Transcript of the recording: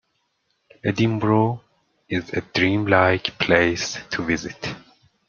Edinburgh is a dream-like place to visit.